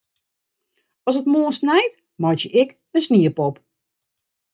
As it moarn snijt, meitsje ik in sniepop.